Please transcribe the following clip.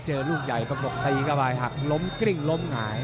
เจอลูกใหญ่ประปบที่กลับไปหลับหลงกริ้งหลมหาย